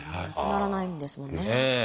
なくならないんですもんね。